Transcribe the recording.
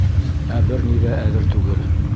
Ә бер ни ҙә әҙер түгел.